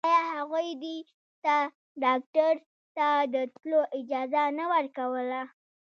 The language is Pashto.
آيا هغوی دې ته ډاکتر ته د تلو اجازه نه ورکوله.